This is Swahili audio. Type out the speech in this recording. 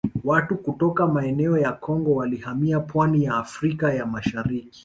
Watu kutoka maeneo ya Kongo walihamia pwani ya Afrika ya Mashariki